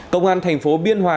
công an thành phố biên hòa